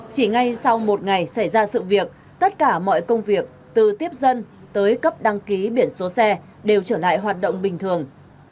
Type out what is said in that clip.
chỉ ngay sau một ngày xảy ra sự việc tất cả mọi công việc từ tiếp dân tới cấp đăng ký biển số xe đều trở lại hoạt động bình thường